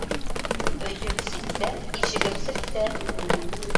Өйөм ситтә, ишегем септә.